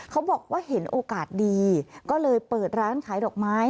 เขาบอกว่าเห็นโอกาสดีก็เลยเปิดร้านขายดอกไม้